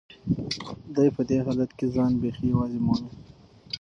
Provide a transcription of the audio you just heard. دی په دې حالت کې ځان بیخي یوازې مومي.